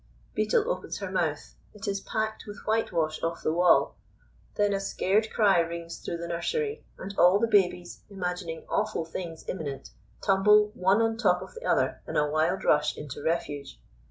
Beetle opens her mouth. It is packed with whitewash off the wall. Then a scared cry rings through the nursery, and all the babies, imagining awful things imminent, tumble one on top of the other in a wild rush into refuge.